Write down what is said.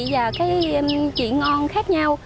và cái vị ngon khác nhau